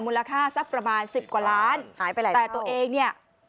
มูลค่าสักประมาณ๑๐กว่าล้านแต่ตัวเองเนี่ย